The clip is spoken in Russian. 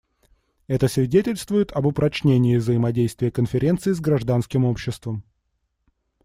Это свидетельствует об упрочении взаимодействия Конференции с гражданским обществом.